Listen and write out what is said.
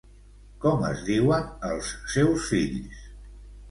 Com es diuen els seus fills?